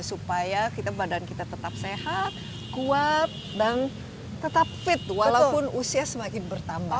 supaya badan kita tetap sehat kuat dan tetap fit walaupun usia semakin bertambah